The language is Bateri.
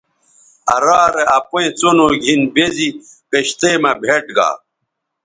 آ رارے اپئیں څنو گِھن بے زی کشتئ مہ بھئیٹ گا